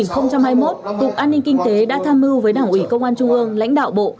năm hai nghìn hai mươi một cục an ninh kinh tế đã tham mưu với đảng ủy công an trung ương lãnh đạo bộ